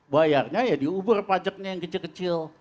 bayarnya ya di uber pajaknya yang kecil kecil